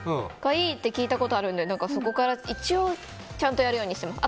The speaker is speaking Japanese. いいって聞いたことがあるのでそこから一応ちゃんとやるようにしてます。